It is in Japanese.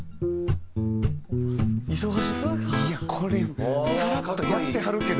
いやこれサラッとやってはるけど。